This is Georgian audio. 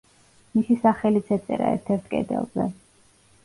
მისი სახელიც ეწერა ერთ-ერთ კედელზე.